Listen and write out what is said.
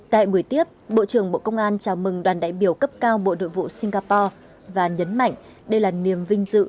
tại buổi tiếp bộ trưởng bộ công an chào mừng đoàn đại biểu cấp cao bộ đội vụ singapore và nhấn mạnh đây là niềm vinh dự